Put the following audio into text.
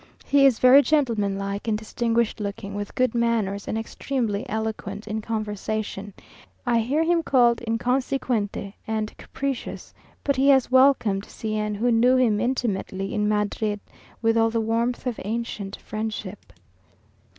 He is very gentlemanlike and distinguished looking, with good manners, and extremely eloquent in conversation. I hear him called "inconsecuente," and capricious, but he has welcomed C n, who knew him intimately in Madrid, with all the warmth of ancient friendship.